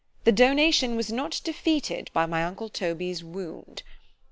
The DONATION was not defeated by my uncle Toby's wound.